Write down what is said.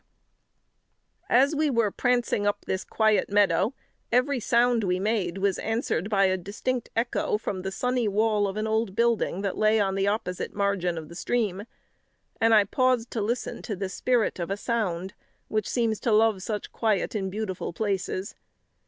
[Illustration: The Consultation in the Field] As we were prancing up this quiet meadow every sound we made was answered by a distinct echo from the sunny wall of an old building that lay on the opposite margin of the stream; and I paused to listen to the "spirit of a sound," which seems to love such quiet and beautiful places.